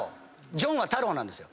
ジョンは太郎なんですよ。